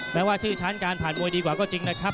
ว่าชื่อชั้นการผ่านมวยดีกว่าก็จริงนะครับ